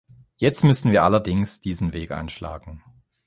Jetzt müssen wir allerdings diesen Weg einschlagen.